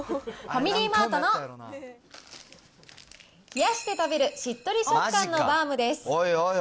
ファミリーマートの冷やして食べるしっとり食感のバウムです。